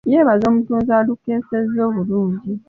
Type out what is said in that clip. Yeebaza omutonzi alukeesezza obulungi.